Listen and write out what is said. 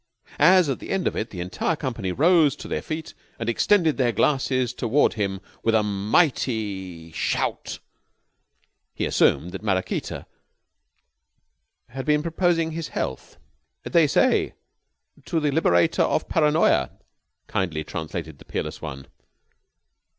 As, at the end of it, the entire company rose to their feet and extended their glasses toward him with a mighty shout, he assumed that Maraquita had been proposing his health. "They say 'To the liberator of Paranoya!'" kindly translated the Peerless One.